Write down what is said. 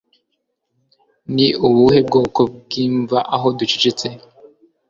Ni ubuhe bwoko bwimva aho ducecetse